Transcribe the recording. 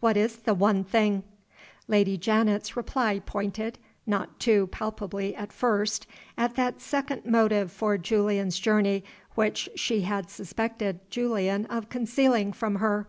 "What is the 'one thing'?" Lady Janet's reply pointed not too palpably at first at that second motive for Julian's journey which she had suspected Julian of concealing from her.